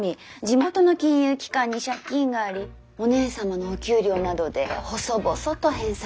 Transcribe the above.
地元の金融機関に借金がありお姉様のお給料などで細々と返済されている。